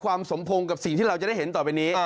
สมพงษ์กับสิ่งที่เราจะได้เห็นต่อไปนี้